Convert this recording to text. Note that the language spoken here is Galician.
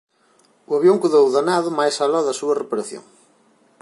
O avión quedou danado máis aló da súa reparación.